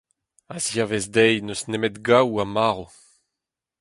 A-ziavaez dezhi n'eus nemet gaou ha marv.